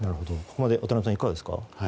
ここまで渡辺さんいかがですか？